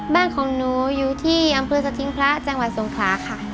บ้านของหนูอยู่ที่อำเภอสถิงพระจังหวัดสงขลาค่ะ